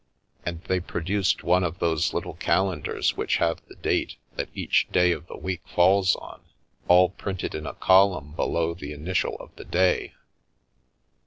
And they produced one of those little calendars which have the date that each day of the week falls on, all printed in a column below the initial of the day.